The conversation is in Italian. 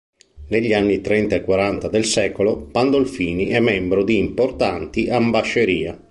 Negli anni Trenta e Quaranta del secolo Pandolfini è membro di importanti ambascerie.